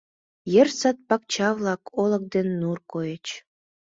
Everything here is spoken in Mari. Йыр сад-пакча-влак, олык ден нур койыч.